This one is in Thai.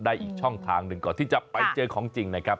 อีกช่องทางหนึ่งก่อนที่จะไปเจอของจริงนะครับ